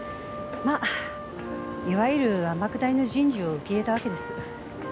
まあいわゆる天下りの人事を受け入れたわけです。